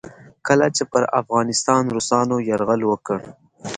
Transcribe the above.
کله چې پر افغانستان روسانو یرغل وکړ.